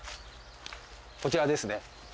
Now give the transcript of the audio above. こちらですね。